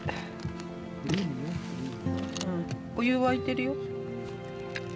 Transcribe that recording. お湯沸いてるよ。